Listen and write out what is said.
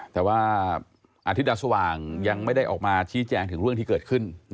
แต่ว่าอาทิตย์ดาสว่างยังไม่ได้ออกมาชี้แจงถึงเรื่องที่เกิดขึ้น